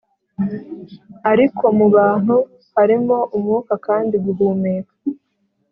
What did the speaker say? ariko mu bantu harimo umwuka kandi guhumeka